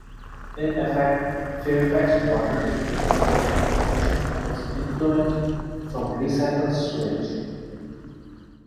In effect, Fairfax Water is drawing a portion of its influent from recycled sewage.